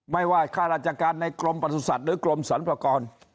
ไม่ว่าข้ารัชการในกลมปศุษฎหรือกลมสรรพกร